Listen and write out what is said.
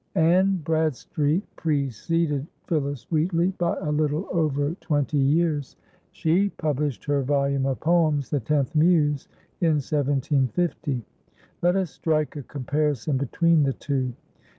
Anne Bradstreet preceded Phillis Wheatley by a little over twenty years. She published her volume of poems, "The Tenth Muse," in 1750. Let us strike a comparison between the two.